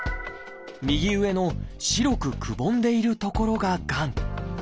右上の白くくぼんでいる所ががん。